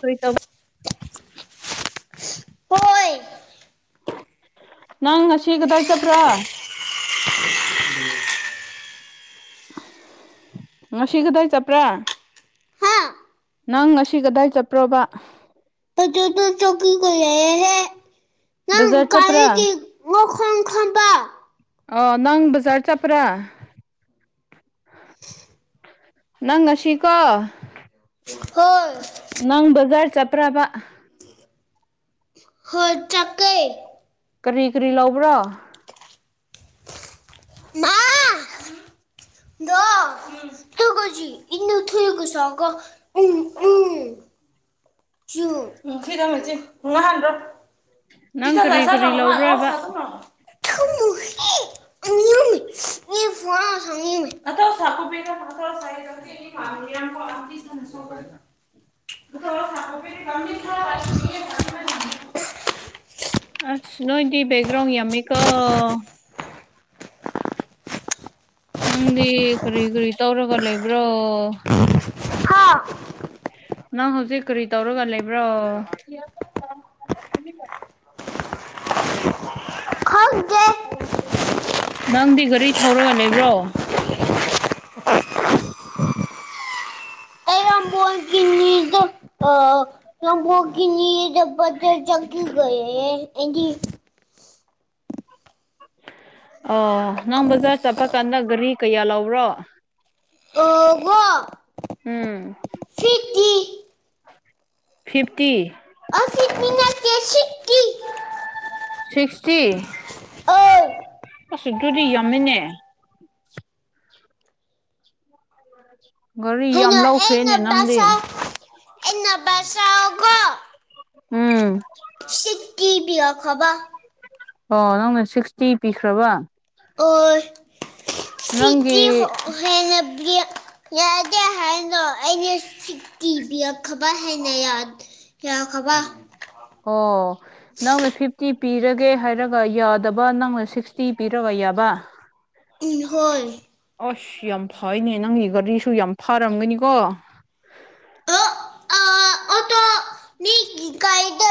ꯍꯣꯏ ꯇꯕ ꯍꯣꯏ ꯅꯪ ꯉꯁꯤꯒꯗꯥꯥꯏ ꯆꯄ꯭ꯔꯥ ꯉꯁꯤ ꯀꯗꯥꯏ ꯆꯄ꯭ꯔꯥ ꯍꯥ ꯅꯪ ꯉꯁꯤ ꯀꯗꯥꯏ ꯆꯠꯄ꯭ꯔꯣꯕ [unintelligible] ꯕꯖꯥꯔ ꯄꯨꯔꯥ ꯈꯣꯡ ꯈꯪꯕꯥ ꯑ‌ꯣ ꯅꯪ ꯕꯖꯥꯔ ꯆꯠꯄ꯭ꯔꯥ ꯅꯪ ꯉꯁꯤꯀꯣ ꯍꯣꯏ ꯅꯪ ꯕꯖꯥꯔ ꯆꯄ꯭ꯔꯥꯕ ꯍꯧ ꯆꯀꯩ ꯀꯔꯤ ꯀꯔꯤ ꯂꯧꯕ꯭ꯔꯥ ꯃꯥ ꯗ‌ꯣ ꯒꯣꯖꯤ ꯏꯅ ꯊꯣꯏꯒꯨꯁꯥꯒꯣ ꯎꯝ ꯎꯝ ꯈꯔꯁꯤ ꯉꯨꯡꯉ ꯍꯥꯟ꯭ꯔꯣ ꯅꯪ ꯀꯔꯤ ꯀꯔꯤ ꯂꯧꯕ꯭ꯔꯕ [unintelligible] [unintelligible] [unintelligible] [unintelligible] ꯑꯥꯁ ꯑꯅꯣꯏꯗꯤ ꯕꯦꯛꯒ꯭ꯔꯥꯎ ꯌꯥꯝꯃꯤꯀ ꯅꯪꯗꯤ ꯀꯔꯤ ꯀꯔꯤ ꯇꯧꯔꯒ ꯂꯩꯕ꯭ꯔꯣ ꯑꯣ ꯅꯪ ꯍꯧꯖꯤꯛ ꯀꯔꯤ ꯇꯧꯔꯒ ꯂꯩꯕ꯭ꯔꯣ ꯅꯪꯗꯤ ꯒꯥꯔꯤ ꯊꯧꯔꯒ ꯂꯩꯕ꯭ꯔꯣ [unintelligible] ꯏꯗ ꯁꯝꯄꯣꯒꯤ ꯅ ꯗꯕꯗꯔ ꯪꯂꯤꯒ ꯏꯟꯗꯤ ꯑ ꯅꯪ ꯕꯖꯥꯔ ꯆꯠꯄ ꯀꯥꯟꯗ ꯒꯥꯔꯤ ꯀꯌꯥ ꯂꯔꯣ ꯑꯕꯣ ꯎꯝ ꯐꯤꯞꯇꯤ ꯁꯤ ꯀꯁꯤ ꯁꯤꯛꯁꯇꯤ ꯑꯁ ꯑꯗꯨꯗꯤ ꯌꯥꯝꯃꯤꯅꯦ [unintelligible] ꯒꯥꯔꯤ ꯌꯥꯝ ꯂꯧꯈ꯭ꯔꯦꯅꯦ ꯅꯪꯗꯤ [unintelligible] ꯎꯝ [unintelligible] ꯑꯣ ꯅꯪꯅ ꯁꯤꯛꯁꯇꯤ ꯄꯤꯈ꯭ꯔꯕꯥ ꯅꯪꯒꯤ [unintelligible] ꯌꯥꯗ ꯍꯥꯏꯅꯀꯤ ꯑ ꯈꯕꯔ ꯍꯅ ꯌꯥꯗꯤ ꯀꯌꯥ ꯈꯕ ꯑꯣ ꯅꯪ ꯐꯤꯐꯇꯤ ꯄꯤꯔꯒꯦ ꯍꯥꯏꯔꯒ ꯌꯥꯗꯕ ꯅꯪꯅ ꯁꯤꯛꯁꯇꯤ ꯄꯤꯔꯕ ꯌꯥꯕ ꯍꯣꯏ ꯑꯁ ꯌꯥꯝ ꯐꯩꯅꯦ ꯅꯪꯒꯤ ꯒꯥꯔꯤꯁꯨ ꯌꯥꯝ ꯐꯔꯝꯒꯅꯤꯀꯣ ꯑ ꯑꯣꯇꯣ ꯃꯤ ꯀꯗ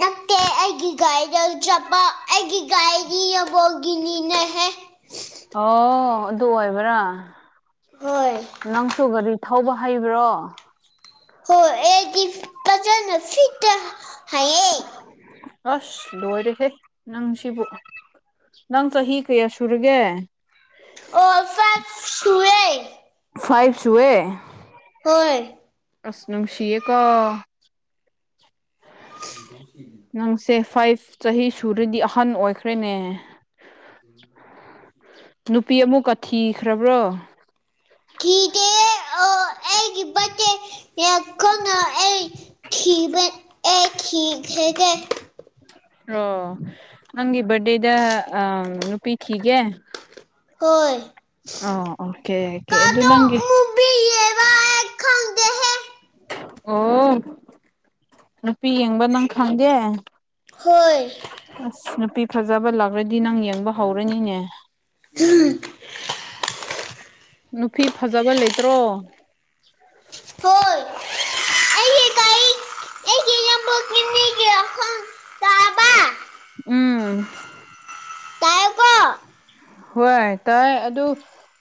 ꯅ ꯑꯩ ꯒꯤꯒꯥꯏꯔꯤ ꯆꯄ ꯑꯦ ꯒꯤꯒꯥꯏꯔꯤ ꯒꯤꯅꯤꯅ ꯍ ꯑꯣ ꯑꯗꯨ ꯑꯣꯏꯕ꯭ꯔꯥ ꯍꯣꯏ ꯅꯪꯁꯨ ꯒꯥꯔꯤ ꯊꯧꯕ ꯍꯩꯕ꯭ꯔꯣ ꯍ ꯑꯦꯗꯤ ꯄꯆꯅ ꯐꯤꯇ ꯍꯥꯏ ꯑꯁ ꯂꯣꯏꯔꯦꯍꯦ ꯅꯪꯁꯤꯕꯨ ꯅꯪ ꯆꯍꯤ ꯀꯌꯥ ꯁꯨꯔꯒꯦ ꯑꯣꯐ ꯁꯋꯦ ꯐꯥꯏꯚꯁꯋꯦ ꯍꯣꯏ ꯑꯁꯅꯅꯨꯡꯁꯤꯀ ꯎ ꯅꯪꯁꯦ ꯐꯥꯏꯚ ꯆꯍꯤ ꯁꯨꯔꯗꯤ ꯑꯍꯟ ꯑꯣꯏꯈ꯭ꯔꯦꯅꯦ ꯭ꯔ ꯅꯨꯄꯤ ꯑꯃꯨꯛꯀ ꯊꯤꯈ꯭ꯔꯕ꯭ꯔꯣ ꯀꯗ ꯑꯣ ꯑꯩꯒꯤꯕꯠꯇꯦ ꯌꯥꯈꯣ ꯑꯩ ꯊꯕ ꯑꯦ ꯍꯒ ꯑꯣ ꯅꯪꯒꯤ ꯔꯗꯦꯗ ꯑ ꯅꯨꯄꯤꯤ ꯈꯤꯒ ꯑꯣꯏꯣꯏ ꯑꯣꯀꯦ ꯑꯗꯨ ꯅꯪꯒꯤ ꯃꯨꯚꯤ ꯌꯦꯡꯕ ꯑꯩ ꯈꯪꯗꯦꯍꯦ ꯑꯣ ꯅꯨꯄꯤ ꯌꯦꯡꯕ ꯅꯪ ꯈꯪꯗꯦ ꯍꯣꯏ ꯑꯁ ꯅꯨꯄꯤ ꯐꯖꯕ ꯂꯥꯛ꯭ꯔꯗꯤ ꯅꯪ ꯌꯦꯡꯕ ꯍꯧꯔꯅꯤꯅꯦ [unintelligible] ꯅꯨꯄꯤ ꯐꯖꯕ ꯂꯩꯇ꯭ꯔꯣ ꯍꯣꯜ ꯑ ꯇꯕ ꯎꯝ ꯇꯥꯏꯀꯣ ꯍꯣꯏ ꯇꯥꯏ ꯑꯗꯨ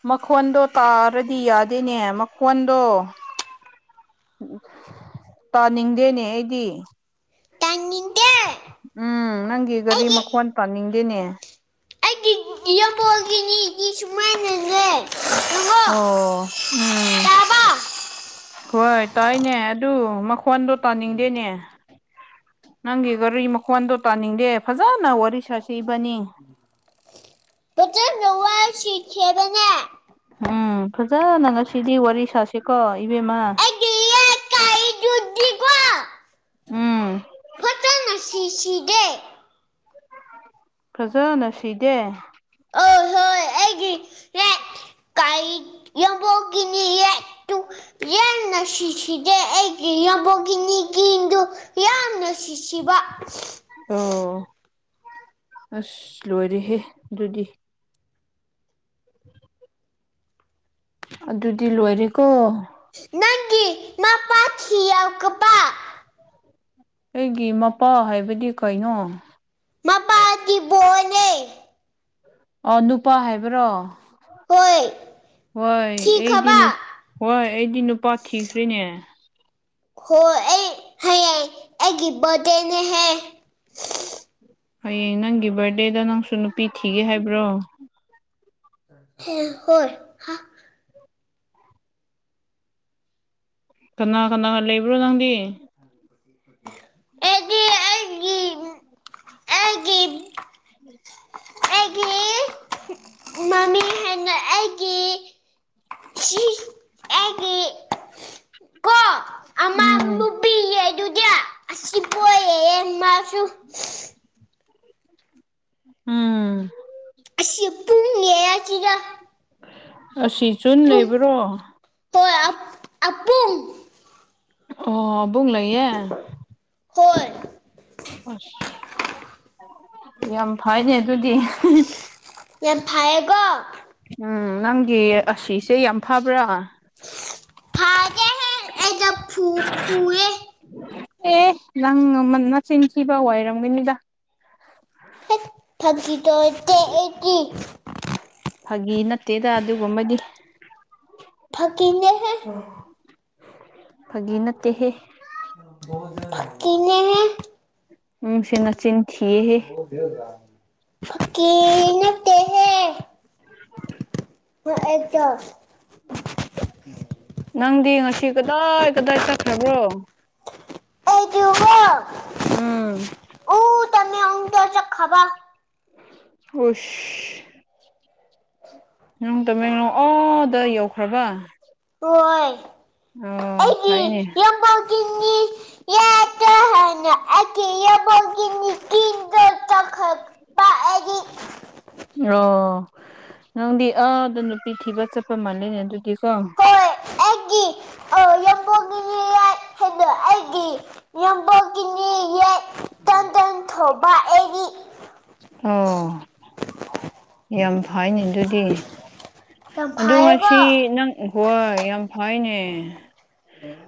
ꯃꯈꯣꯟꯗꯣ ꯇꯥꯔꯗꯤ ꯌꯥꯗꯦꯅꯦ ꯃꯈꯣꯟꯗꯣ [unintelligible] ꯇꯥꯅꯤꯡꯗꯦꯅꯦ ꯑꯩꯗꯤ ꯇꯪꯅꯤꯡꯗꯦ ꯎꯝ ꯅꯪꯒꯤ ꯒꯥꯔꯤ ꯃꯈꯣꯟ ꯄꯥꯅꯤꯡꯗꯦꯅꯦ ꯑꯩꯒꯤ ꯌꯝꯕꯣꯜꯒꯤꯅꯤꯗꯤ ꯁꯨꯃꯥꯏꯅꯖꯦ ꯑꯣ ꯎꯝ ꯇꯥꯕ ꯍꯣꯏ ꯇꯥꯏꯅꯦ ꯑꯗꯨ ꯐꯣꯟꯗꯣ ꯇꯥꯅꯤꯡꯗꯦꯅꯦ ꯅꯪꯒꯤ ꯒꯥꯔꯤ ꯃꯈꯋꯥꯣꯟꯗꯣ ꯇꯥꯅꯤꯡꯗꯦ ꯐꯖꯅ ꯋꯥꯔꯤ ꯁꯥꯁꯤ ꯏꯕꯥꯅꯤ ꯅꯨꯡ ꯎꯝ ꯐꯖꯅ ꯉꯁꯤꯗꯤ ꯋꯥꯔꯤ ꯁꯥꯁꯤꯀꯣ ꯏꯕꯦꯝꯃ ꯀ ꯌꯒ ꯎꯝ ꯐꯠꯇꯅ ꯁꯤ ꯁꯤꯗꯦ ꯐꯖꯅ ꯁꯤꯗꯦ ꯑ ꯍꯣꯏ ꯑꯩꯒꯤ ꯀꯥꯏ ꯒꯅꯤꯨ ꯌꯦ ꯅꯁꯤꯁꯤꯗꯦ ꯑꯩ ꯀꯉꯕꯒꯤꯅꯤ ꯀꯗꯨ ꯌꯥ ꯅꯁꯤꯁꯤꯕ ꯑꯣ ꯑꯁ ꯂꯣꯏꯔꯦꯍꯦ ꯑꯗꯨꯗꯤ ꯑꯗꯨꯗꯨꯗꯤ ꯂꯣꯏꯔꯦꯀꯣ ꯅꯪꯒꯤ ꯃꯥ ꯄꯥꯊꯤꯎ ꯀꯄꯥꯥ ꯑꯩꯒꯤ ꯃꯄꯥ ꯍꯥꯏꯕꯗꯤ ꯀꯩꯅꯣ ꯃꯄꯥꯥꯇꯕꯣꯅꯦ ꯑꯣ ꯅꯨꯄꯥ ꯍꯥꯏꯕ꯭ꯔꯣ ꯍꯣꯏ ꯍꯣꯏ ꯑꯩꯗꯤ ꯑꯁꯤꯒꯤ ꯍꯣꯏ ꯑꯩꯗꯤ ꯅꯨꯄꯥ ꯊꯤꯈ꯭ꯔꯤꯅꯦ ꯍꯣꯏ ꯑꯩ ꯍꯌꯦꯡ ꯑꯩꯒꯤ ꯕꯥꯔꯠꯗꯦꯅꯦ ꯍꯦ ꯍꯌꯦꯡ ꯅꯪꯒꯤ ꯕꯥꯔꯗꯦꯗ ꯅꯪꯁꯨ ꯅꯨꯄꯤ ꯊꯤꯒꯦ ꯍꯥꯏꯕ꯭ꯔꯣ ꯍꯣꯏ ꯍꯥ ꯀꯅꯥ ꯀꯅꯥ ꯂꯩꯕ꯭ꯔꯣ ꯅꯪꯗꯤ ꯑꯩꯗꯤ ꯑꯩꯒꯤ ꯑꯩꯒꯤ ꯑꯩꯒꯤ ꯃꯃꯤ ꯍꯥꯏꯅ ꯑꯩꯒꯤ ꯁꯤ ꯑꯩꯒꯤ ꯀꯣ ꯑꯃ ꯎꯝ ꯅꯨꯄꯤꯌꯦ [unintelligible] ꯃꯥꯔꯁꯨ ꯎꯝ ꯑꯁꯤꯁꯤ ꯄꯨꯡꯉꯦ ꯑꯁꯤꯁꯤꯗ ꯑꯁꯤ ꯆꯨꯟ ꯂꯩꯕ꯭ꯔꯣ ꯍꯣꯏ ꯑꯄꯨꯡ ꯑꯣ ꯑꯕꯨꯡ ꯂꯩꯌꯦ ꯍꯣꯏ ꯌꯥꯝ ꯐꯩꯅꯦ ꯑꯗꯨꯗꯤ ꯌꯥꯝ ꯐꯩꯌꯦꯀꯣ ꯎꯝ ꯅꯪꯒꯤ ꯑꯁꯤꯁꯦ ꯌꯥꯝ ꯐꯕ꯭ꯔꯥ ꯐꯗꯦꯍꯦ ꯑꯩꯗ ꯐꯨ ꯐꯨꯋꯦ ꯑꯦ ꯅꯪ ꯃꯆꯤꯟ ꯊꯤꯕ ꯑꯣꯏꯔꯝꯒꯅꯤꯗ ꯇꯠꯇ ꯏꯠꯇ ꯐꯥꯒꯤ ꯅꯠꯇꯦꯗ ꯑꯗꯨꯒꯨꯝꯕꯗꯤ ꯐꯥꯒꯤꯅꯦꯍꯦ ꯐꯥꯒꯤ ꯅꯠꯇꯦꯍꯦ ꯐꯥꯒꯤꯅꯦꯍꯦ ꯎꯝ ꯅꯡꯁꯦ ꯅꯆꯤꯟ ꯊꯤꯌꯦ ꯐꯥꯒꯤ ꯅꯠꯇꯦꯍꯦ ꯑꯗꯣ ꯑꯩꯗꯣ ꯅꯪꯗꯤ ꯉꯁꯤ ꯀꯗꯥꯏ ꯀꯗꯥꯏ ꯆꯠꯈ꯭ꯔꯕ꯭ꯔꯣ ꯑꯣ ꯑꯩꯗꯨꯕꯣ ꯎꯝ ꯇꯅꯤ ꯑꯗꯔ ꯆꯠꯈꯔꯕ ꯎꯁ ꯪ ꯇꯃꯦꯡꯂꯣꯡ ꯑꯥꯗ ꯌꯧꯈ꯭ꯔꯕ ꯍꯣꯏ ꯑꯣ ꯑꯩꯗꯤ ꯌꯥꯝ ꯄꯥꯎ ꯆꯡꯉꯤ ꯌꯥꯝꯕꯒꯤꯅꯤ ꯀꯤꯗ ꯆꯠꯈ꯭ꯔꯕ ꯑꯩꯗꯤ ꯎ ꯑꯣ ꯅꯪꯗꯤ ꯑꯥ ꯑꯗꯨꯣ ꯅꯨꯄꯤ ꯊꯤꯕ ꯆꯠꯄ ꯃꯥꯜꯂꯦꯅꯦ ꯑꯗꯨꯗꯤꯀꯣ ꯍꯣꯏ ꯑꯩꯒꯤ ꯌꯥꯝꯕꯒꯤꯅꯤ ꯑꯩꯒꯤ ꯌꯕꯣꯛꯀꯤ ꯑꯣ ꯌꯥꯝ ꯍꯥꯏꯅꯦ ꯑꯗꯨꯗꯤ ꯌꯥꯝ ꯑ ꯐꯥꯏꯌꯦꯀꯣ ꯉꯁꯤ ꯅꯪ ꯍꯣꯏ ꯌꯥꯝ ꯐꯥꯏꯅꯦ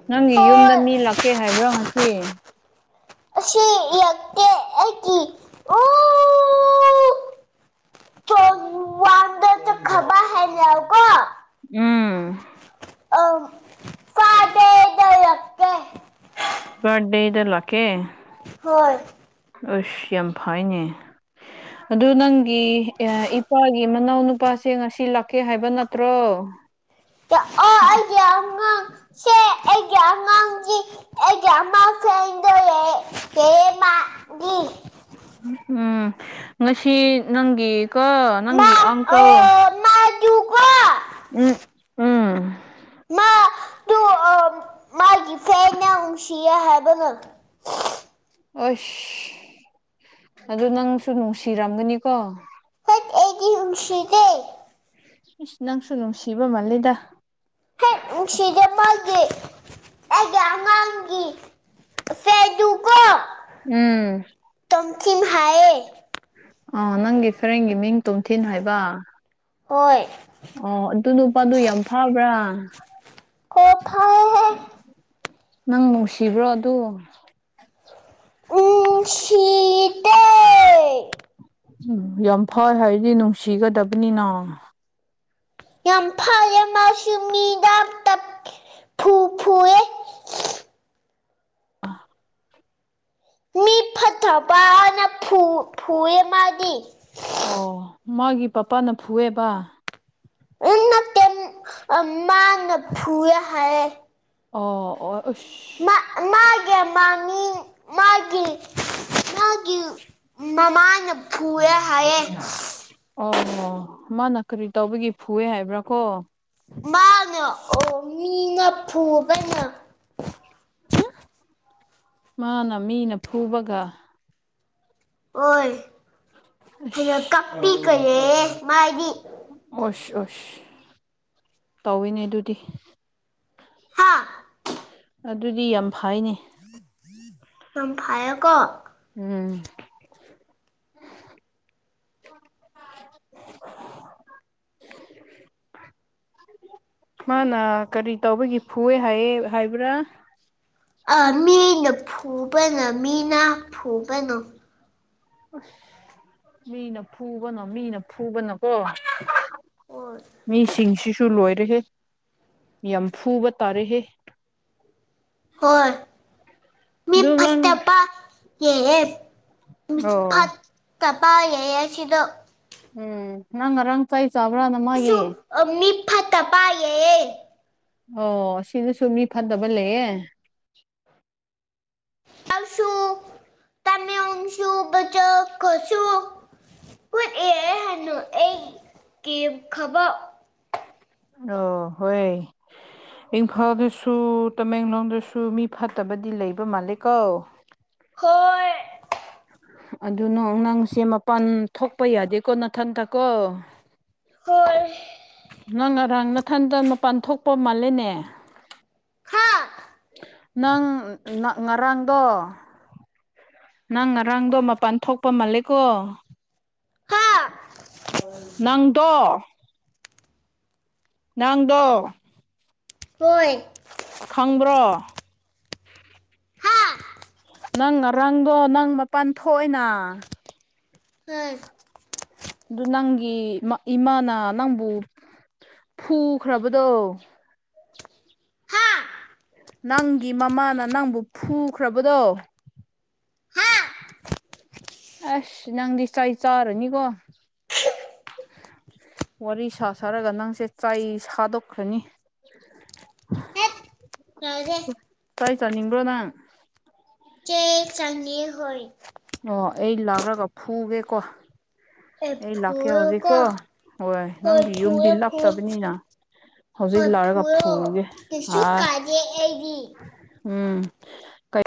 ꯅꯪꯒꯤ ꯌꯨꯝꯗ ꯍꯣꯏ ꯃꯤ ꯂꯥꯛꯀꯦ ꯍꯥꯏꯕ꯭ꯔꯣ ꯉꯁꯤ ꯑꯁꯤꯁꯤ ꯂꯀꯦ ꯍꯥꯏ ꯎ ꯇ ꯈꯕꯔ ꯍꯥꯏ ꯌꯥ ꯀꯣ [inaudible] ꯎꯝ ꯑꯪ ꯎꯝ ꯆꯀꯦ ꯔ ꯗꯦ ꯏꯗꯂꯀꯦ ꯍꯣꯏ ꯑꯁ ꯌꯥꯝ ꯐꯩꯅꯦ ꯑꯗꯨ ꯅꯪꯒꯤ ꯏꯄꯥꯒꯤ ꯃꯅꯥꯎꯅꯨꯄꯥꯁꯦ ꯉꯁꯤ ꯂꯥꯛ ꯀꯩ ꯍꯥꯏꯕ ꯅꯠꯇ꯭ꯔꯣ ꯑꯣ ꯑꯩꯒꯤ ꯑꯉꯥꯡ ꯁꯦ [unintelligible] ꯎꯝ ꯉꯁꯤ ꯅꯪꯒꯤ ꯀ ꯃꯥ ꯅꯪꯒꯤꯤ ꯑꯪ ꯀ ꯑꯣ ꯃꯥꯗꯨꯀꯣ ꯎꯝ ꯎꯝ ꯃꯥ ꯇꯨꯡ ꯃꯥꯒꯤ ꯐꯦꯟꯅ ꯅꯨꯡꯁꯤꯌꯦ ꯍꯥꯏꯕ ꯉꯝ ꯑꯁ ꯑꯗꯨ ꯅꯪꯁꯨ ꯅꯨꯡꯁꯤꯔꯝꯒꯅꯤꯀꯣ ꯑꯩꯒꯤ ꯍꯨꯝꯁꯤꯗꯩ ꯅꯪꯁꯨ ꯅꯨꯡꯁꯤꯕ ꯃꯥꯜꯂꯦꯗ ꯍꯦꯛ ꯅꯨꯡꯁꯤꯖꯕꯒꯤꯦ ꯑꯩꯗꯤ ꯑꯉꯥꯡꯒꯤ ꯐꯦꯗꯨ ꯀꯣ ꯎꯝ ꯇꯝꯈꯤꯝ ꯍꯥꯏ ꯑ ꯅꯪꯒꯤ ꯐ꯭ꯔꯦꯟꯒꯤ ꯃꯤꯡ ꯇꯣꯝꯊꯤꯟ ꯍꯥꯏꯕ ꯑꯣ ꯑꯗꯨ ꯅꯨꯄꯥꯗꯨ ꯌꯥꯝ ꯐꯥꯕ꯭ꯔꯥ ꯀꯣꯚ ꯅꯪ ꯅꯨꯡꯁꯤꯕ꯭ꯔꯣ ꯑꯗ ꯎꯁꯤꯤꯇ ꯎꯝ ꯌꯥꯝ ꯐꯋ ꯍꯥꯏꯗꯤ ꯅꯨꯡꯁꯤꯒꯗꯕꯅꯤꯅ ꯌꯥꯝ ꯐ ꯃꯥꯗꯥ ꯐꯨ ꯐꯨꯋꯦ ꯑ ꯃꯤ ꯐꯠꯇꯕꯅ ꯐꯨꯑ ꯃꯥꯗꯤ ꯑꯣ ꯃꯥꯒꯤ ꯄꯄꯥꯅ ꯐꯨꯑꯦꯕ ꯎ ꯅ ꯀ ꯑꯝꯃ ꯅ ꯐꯨꯌꯥ ꯍꯥꯏ ꯑꯣ ꯑꯣ ꯃꯥ ꯑꯁ ꯃꯥꯒꯦ ꯃꯥꯅꯤ ꯃꯥꯒꯤꯦ ꯃꯥꯒꯤ ꯃꯃꯥꯅ ꯐꯔꯦ ꯍꯥꯏꯌꯦꯦ ꯑꯣ ꯃꯥꯅ ꯀꯔꯤ ꯇꯧꯕꯒꯤ ꯐꯨꯑꯦ ꯍꯥꯏꯕ꯭ꯔꯥ ꯀꯣ ꯃꯥꯅ ꯑꯣ ꯃꯤꯅ ꯐꯨꯉ ꯀꯩꯅꯣ ꯃꯥꯅ ꯃꯤꯅ ꯐꯨꯕꯒ ꯍꯣꯏ ꯑꯗꯨꯅ ꯑꯁ ꯀꯞꯄꯤꯈ ꯃꯥꯒꯤ ꯑꯣꯁ ꯑꯣꯁ ꯇꯧꯏꯤꯅꯦ ꯑꯗꯨꯗꯤ ꯍꯥꯥ ꯑꯗꯨꯗꯤ ꯌꯥꯝ ꯐꯩꯅꯦ ꯆꯝꯐꯥꯏ ꯀ ꯎꯝ [inaudible] ꯃꯥꯅ ꯀꯔꯤ ꯇꯧꯕꯒꯤ ꯐꯨꯑꯦ ꯍꯥꯏꯌꯦ ꯍꯥꯏꯕ꯭ꯔꯥ ꯑꯥ ꯃꯤꯅ ꯐꯨꯕꯅ ꯃꯤꯅ ꯐꯨꯕꯅꯣ ꯑꯁ ꯃꯤꯅ ꯐꯨꯕꯅꯣ ꯃꯤꯅ ꯐꯨꯕꯅꯣꯀꯣ ꯍꯣꯏ ꯃꯤꯁꯤꯡꯁꯤ ꯁꯨ ꯂꯣꯏꯔꯍꯦ ꯌꯥꯝ ꯐꯨꯕ ꯇꯥꯔꯍꯦ ꯍꯣꯏ ꯃꯤ ꯑꯗꯨ ꯅꯪ ꯐꯁꯇꯞꯄꯥ ꯌꯦ ꯃꯤ ꯑꯣ ꯐꯠꯇꯕ ꯌꯥꯩ ꯑꯁꯤꯗ ꯎꯝ ꯅꯪ ꯉꯔꯥꯡ ꯆꯥꯏ ꯆꯥꯕ꯭ꯔꯥꯅ ꯃꯥꯒꯤ ꯐꯠꯇ ꯄꯌꯦ ꯑꯣ ꯁꯤꯅꯁꯨ ꯃꯤ ꯐꯠꯇꯕ ꯂꯩꯌꯦꯦ ꯇꯁꯨ ꯇꯃꯤ ꯑꯣꯁꯨꯨ ꯆꯛ ꯀꯁꯣ ꯍꯣꯏ ꯑꯦ ꯍꯅꯣ ꯑꯩ ꯀ ꯈꯕ ꯑꯣ ꯍꯣꯏ ꯏꯝꯐꯥꯜꯗꯁꯨ ꯇꯃꯦꯡꯂꯣꯡꯗꯁꯨ ꯃꯤ ꯐꯠꯇꯕꯗꯤ ꯂꯩꯕ ꯃꯥꯜꯂꯦ ꯀꯣ ꯍꯣꯏ ꯑꯗꯨꯅ ꯅꯥꯡꯁꯦ ꯃꯄꯥꯟ ꯊꯣꯛꯄ ꯌꯥꯗꯦꯀꯣ ꯅꯊꯟꯇꯀꯣ ꯍꯣꯏ ꯅꯪ ꯉꯔꯥꯡ ꯅꯊꯟꯗ ꯃꯄꯥꯟ ꯊꯣꯛꯄ ꯃꯥꯜꯂꯦꯅꯦ ꯍꯥ ꯅꯪ ꯉꯔꯥꯡꯗꯣ ꯅꯪ ꯉꯔꯥꯡꯗꯣ ꯃꯄꯜ ꯊꯣꯛꯄ ꯃꯥꯜꯂꯦꯀꯣ ꯍꯥ ꯅꯪꯗꯣ ꯅꯪꯗꯣ ꯑꯣꯏꯣꯏ ꯈꯪꯕ꯭ꯔꯣ ꯅꯪ ꯉꯔꯥꯡꯗꯣ ꯅꯪ ꯃꯄꯥꯟ ꯊꯣꯛꯏꯅ ꯍ ꯑꯗꯨ ꯅꯪꯒꯤ ꯏꯃꯥꯅ ꯅꯪꯕꯨ ꯐꯨꯈ꯭ꯔꯕꯗꯣ ꯅꯪꯒꯤ ꯃꯃꯥꯅ ꯅꯪꯕꯨ ꯐꯨꯈ꯭ꯔꯕꯗꯣ ꯑꯁ ꯅꯪꯗꯤ ꯆꯏ ꯆꯔꯅꯤ ꯀꯣ ꯋꯥꯔꯤ ꯁꯥ ꯁꯥꯔꯒ ꯅꯪꯁꯦ ꯆꯥꯏ ꯁꯥꯗꯣꯛꯈ꯭ꯔꯅꯤ ꯍꯦ ꯂꯒꯦ ꯆꯥꯏ ꯆꯥꯅꯤꯡꯕ꯭ꯔꯣ ꯅꯪ ꯀꯍꯔ ꯑꯣ ꯑꯩ ꯂꯥꯎꯔꯒ ꯐꯨꯒꯦꯀꯣ ꯑꯩ ꯂꯥꯛꯀꯦ ꯍꯧꯖꯤꯛꯀꯣ ꯍꯣꯏ ꯅꯪꯒꯤ ꯌꯨꯝꯗꯤ ꯐꯨꯔꯣ ꯐꯨꯔꯣ ꯂꯞꯇꯕꯅꯤꯅ ꯍꯧꯖꯤꯛ ꯍꯣꯏ ꯂꯛꯑꯒ ꯐꯨꯔꯣ ꯐꯨꯒꯦ ꯀꯩꯁꯨ ꯑꯥ ꯀꯥꯏꯗꯦ ꯑꯩꯗꯤ ꯎꯝ ꯀ